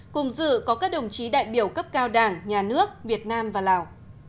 cùng dự có các đồng chí đại biểu cấp cao đảng nhà nước việt nam và lào